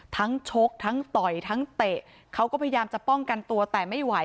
ชกทั้งต่อยทั้งเตะเขาก็พยายามจะป้องกันตัวแต่ไม่ไหว